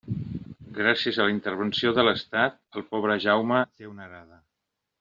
Gràcies a la intervenció de l'estat, el pobre Jaume té una arada.